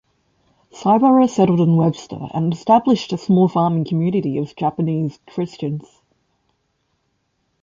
Saibara settled in Webster and established a small farming community of Japanese Christians.